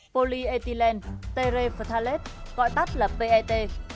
polyethylene terephthalate gọi tắt là pet